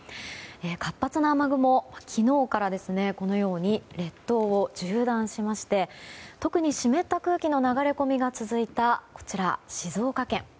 活発な雨雲が昨日から列島を縦断しまして特に湿った空気の流れ込みが続いたこちら、静岡県。